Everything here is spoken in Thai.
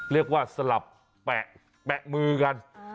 เรียกว่าสลับแปะมือกัน